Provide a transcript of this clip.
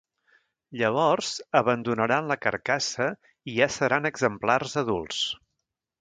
Llavors abandonaran la carcassa i ja seran exemplars adults.